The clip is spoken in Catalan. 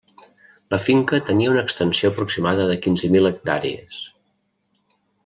La finca tenia una extensió aproximada de quinze mil hectàrees.